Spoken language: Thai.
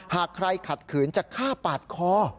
หากใครขัดขืนจะฆ่าปาดคอ